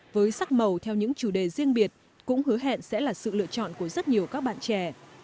với sắc màu theo những chủ đề riêng biệt cũng hứa hẹn sẽ là sự lựa chọn của rất nhiều các bạn trẻ